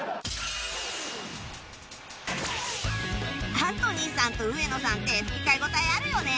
アントニーさんと植野さんって吹き替え応えあるよね